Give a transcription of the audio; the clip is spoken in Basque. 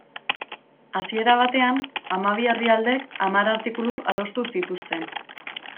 Hasiera batean hamabi herrialde hamar artikulu adostu zituzten.